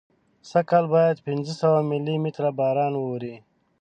سږکال باید پینځه سوه ملي متره باران واوري.